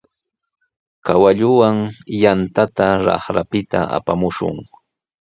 Kawalluwan yantata raqrapita apamushun.